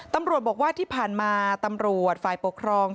ตำรวจบอกว่าที่ผ่านมาตำรวจฝ่ายปกครอง